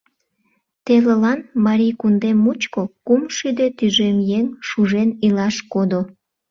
Телылан марий кундем мучко кум шӱдӧ тӱжем еҥ шужен илаш кодо.